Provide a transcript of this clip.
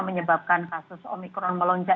menyebabkan kasus omikron melonjak